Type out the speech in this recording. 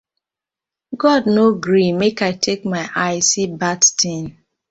God no gree mek I take my eye see bad tin.